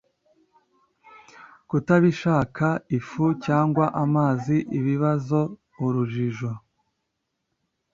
Kutabishaka ifu cyangwa amazi ibibazo urujijo